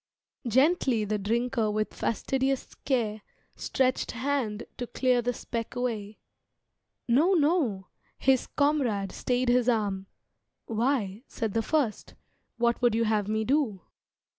Gently the Drinker with fastidious care Stretched hand to clear the speck away. "No, no!" His comrade stayed his arm. "Why," said the first, "What would you have me do?"